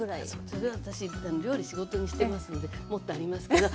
それは私料理仕事にしてますのでもっとありますけど。